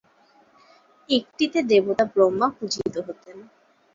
একটিতে দেবতা ব্রহ্মা পূজিত হতেন।